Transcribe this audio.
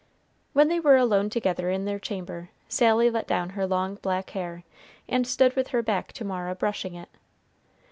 When they were alone together in their chamber, Sally let down her long black hair, and stood with her back to Mara brushing it.